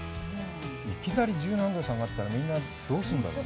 いきなり十何度、下がったら、みんなどうするんだろうね。